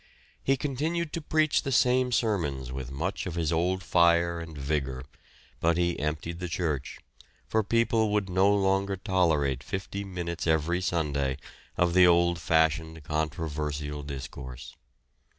He continued to preach the same sermons with much of his old fire and vigour, but he emptied the church, for people would no longer tolerate fifty minutes every Sunday of the old fashioned controversial discourse.